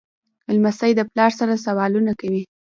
لمسی د پلار سره سوالونه کوي.